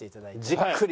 じっくり。